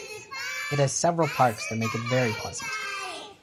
It has several parks that make it very pleasant.